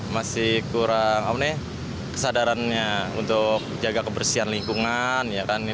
masih kurang kesadarannya untuk jaga kebersihan lingkungan